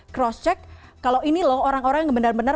cross check kalau ini loh orang orang yang benar benar